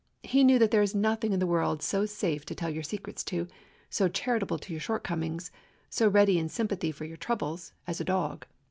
He knew that there is no one in the world so safe to tell your secrets to, so charitable to your shortcomings, so ready in sympathy for your troubles, as a dog.